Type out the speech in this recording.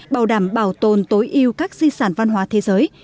bảo đảm bảo tồn tối yêu các di sản văn hóa thế giới